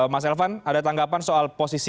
mas elvan ada tanggapan soal posisi